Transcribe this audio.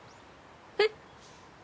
えっ！